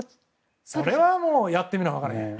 それはもうやってみないと分からない。